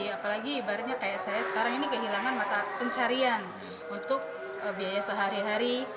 apalagi ibaratnya kayak saya sekarang ini kehilangan mata pencarian untuk biaya sehari hari